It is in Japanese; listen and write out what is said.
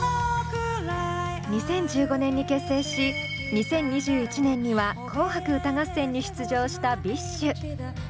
２０１５年に結成し２０２１年には「紅白歌合戦」に出場したＢｉＳＨ。